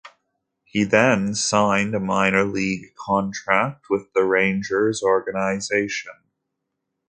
He then signed a minor league contract with the Rangers organization.